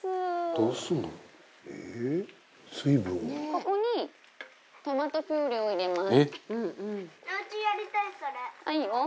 ここにトマトピューレを入れます。